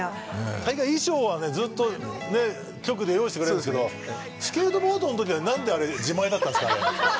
大概衣装はずっと局で用意してくれるんですけどスケートボードのときはなんであれ自前だったんですか？